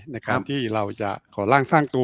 ในการที่เราจะขอร่างสร้างตัว